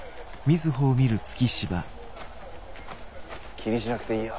気にしなくていいよ。